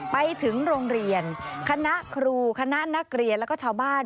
ไปถึงโรงเรียนคณะครูคณะนักเรียนแล้วก็ชาวบ้าน